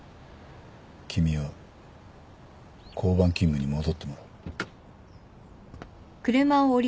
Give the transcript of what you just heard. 君は交番勤務に戻ってもらう。